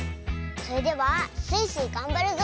それでは「スイスイ！がんばるぞ」